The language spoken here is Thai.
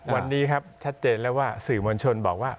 วันนี้ครับชัดเจนแล้วว่าสื่อมวลชนบอกว่า